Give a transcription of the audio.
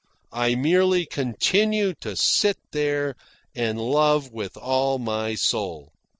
I merely continued to sit there and love with all my soul.